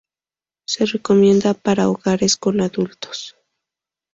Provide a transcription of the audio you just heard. Se recomienda para hogares con adultos.